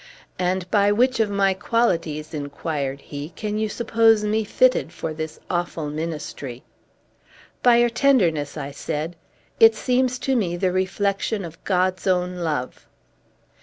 "And by which of my qualities," inquired he, "can you suppose me fitted for this awful ministry?" "By your tenderness," I said. "It seems to me the reflection of God's own love."